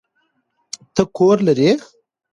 ته کور لری؟